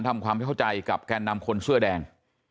ทำความเข้าใจกับแกนนำคนเสื้อแดง